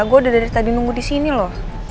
gue udah dari tadi nunggu disini loh